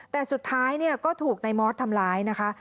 แต่สุดท้ายก็ถูกนายมอสทำร้ายนะคะ